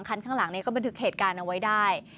คันข้างหลังนี้ก็บันทึกเหตุการณ์เอาไว้ได้